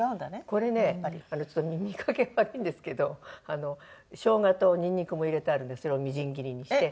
これねちょっと見かけ悪いんですけどショウガとニンニクも入れてあるんでそれをみじん切りにして。